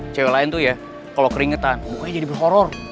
cewek lain tuh ya kalo keringetan pokoknya jadi berhoror